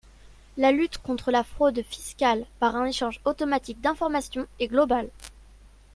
La lutte contre la fraude fiscale par un échange automatique d’information est globale.